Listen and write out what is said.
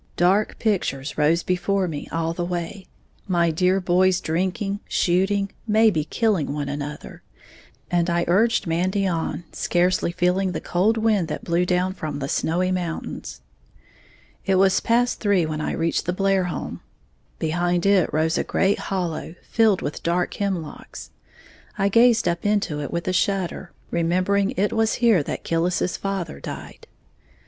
Dark pictures rose before me all the way, my dear boys drinking, shooting, maybe killing one another and I urged Mandy on, scarcely feeling the cold wind that blew down from the snowy mountains. It was past three when I reached the Blair home. Behind it rose a great hollow, filled with dark hemlocks. I gazed up into it with a shudder, remembering it was here that Killis's father died.